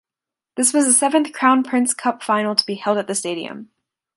This was the seventh Crown Prince Cup final to be held at the stadium.